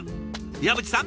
岩渕さん